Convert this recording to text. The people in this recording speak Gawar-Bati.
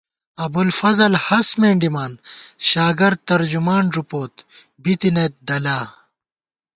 ابُوالفضل ہست مېنڈِمان شاگرد ترجمان ݫُپوت بِتَنَئیت دَلا